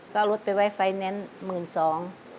ก็เอารถไปไว้ไฟแนนซ์๑๒๐๐๐บาท